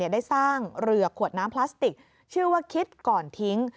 ได้สร้างเรือขวดน้ำพลาสติกชื่อว่าคิดก่อนทิ้ง